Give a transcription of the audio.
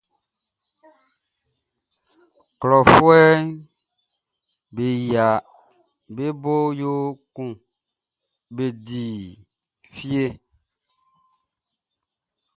Klɔfuɛʼm be yia be bo yo kun be di fie.